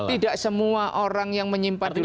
tidak semua orang yang menyimpan di luar negeri